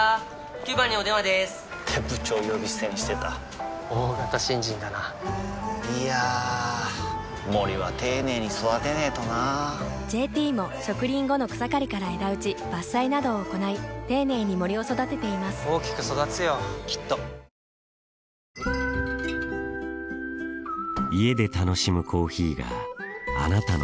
９番にお電話でーす！って部長呼び捨てにしてた大型新人だないやー森は丁寧に育てないとな「ＪＴ」も植林後の草刈りから枝打ち伐採などを行い丁寧に森を育てています大きく育つよきっと昨日、１５日間の激闘に幕を下ろしたテニス全仏オープン。